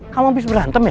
kamu habis berhantem ya